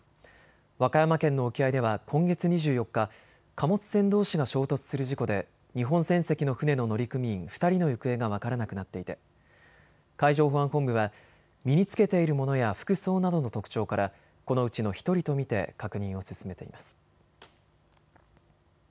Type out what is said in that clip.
和歌山県の沖合では今月２４日、貨物船どうしが衝突する事故で日本船籍の船の乗組員２人の行方が分からなくなっていて海上保安本部は身につけているものや服装などの特徴からこのうちの１人と見て確認を進めています。